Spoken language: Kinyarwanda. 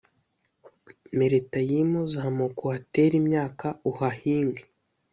Meratayimu zamuka uhatere imyaka uhahinge